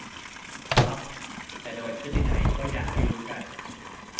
ครับ แต่โดยพฤตินัยก็อย่างที่รู้กัน